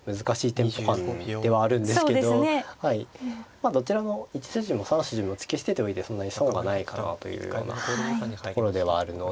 まあどちらも１筋も３筋も突き捨てておいてそんなに損はないかなというようなところではあるので。